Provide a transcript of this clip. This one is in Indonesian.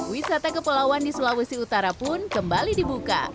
wisata kepulauan di sulawesi utara pun kembali dibuka